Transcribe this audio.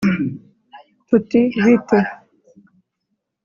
Tuti bite?